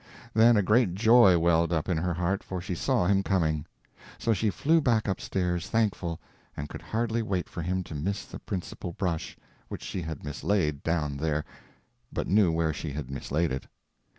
Then a great joy welled up in her heart, for she saw him coming. So she flew back up stairs thankful, and could hardly wait for him to miss the principal brush, which she had mislaid down there, but knew where she had mislaid it.